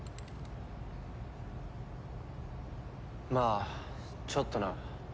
まあちょっとな。